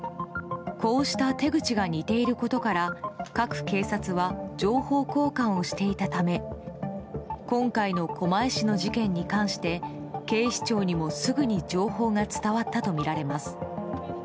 こうした手口が似ていることから各警察は情報交換をしていたため今回の狛江市の事件に関して警視庁にもすぐに情報が伝わったとみられます。